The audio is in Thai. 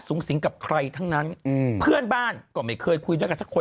สูงสิงกับใครทั้งนั้นอืมเพื่อนบ้านก็ไม่เคยคุยด้วยกันสักคน